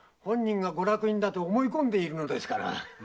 本人がご落胤だと思い込んでいるのですから。